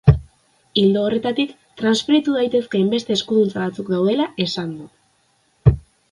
Ildo horretatik, transferitu daitezkeen beste eskuduntza batzuk daudela esan du.